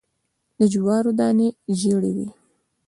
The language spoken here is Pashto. د جوارو دانی ژیړې وي